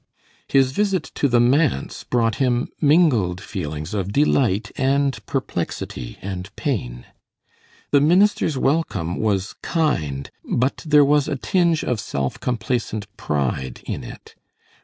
His visit to the manse brought him mingled feelings of delight and perplexity and pain. The minister's welcome was kind, but there was a tinge of self complacent pride in it.